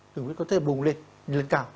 đường huyết có thể bùng lên lên cao